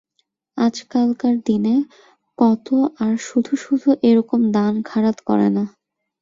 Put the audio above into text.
আজকালকার দিনে কতো আর শুধু শুধু এ-রকম দান খারাত করে না।